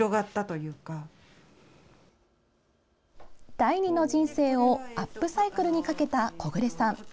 第２の人生をアップサイクルにかけた木榑さん。